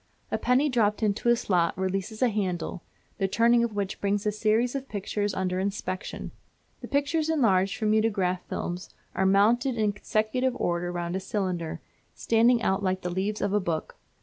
A penny dropped into a slot releases a handle, the turning of which brings a series of pictures under inspection. The pictures, enlarged from mutograph films, are mounted in consecutive order round a cylinder, standing out like the leaves of a book.